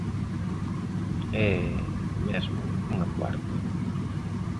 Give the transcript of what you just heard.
E, mesmo, unha cuarta...